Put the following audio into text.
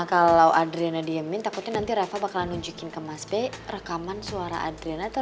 kalau adrena diamin takutnya nanti reva bakalan nunjukin ke mas be rekaman suara adrena atau